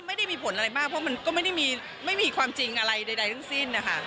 ไม่ได้เห็นผลอะไรบ้างก็เลยไม่มีความจริงอะไรใดสิ้นนะคะ